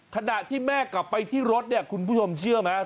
ขณะที่แม่กลับไปที่รถเนี่ยคุณผู้ชมเชื่อไหม